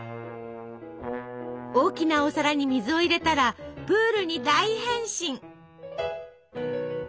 大きなお皿に水を入れたらプールに大変身！